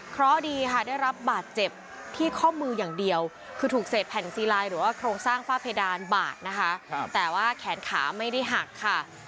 เพราะดีค่ะได้รับบาดเจ็บที่ข้อมืออย่างเดียวคือถูกเศษแผ่นซีลายหรือว่าโครงสร้างฝ้าเพดานบาดนะคะแต่ว่าแขนขาไม่ได้หักค่ะ